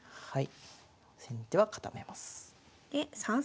はい。